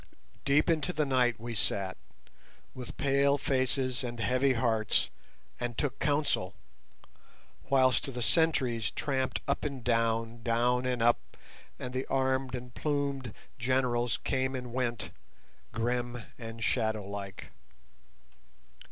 Deep into the night we sat, with pale faces and heavy hearts, and took counsel, whilst the sentries tramped up and down, down and up, and the armed and plumed generals came and went, grim and shadow like.